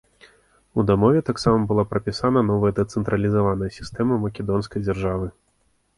У дамове таксама была прапісана новая дэцэнтралізаваная сістэма македонскай дзяржавы.